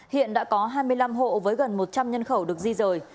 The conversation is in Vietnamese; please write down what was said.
hiện đã có hai mươi năm hộ với gần một trăm linh nhân khẩu được di rời